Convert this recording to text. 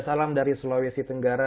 salam dari sulawesi tenggara